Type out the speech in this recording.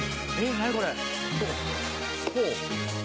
何これ？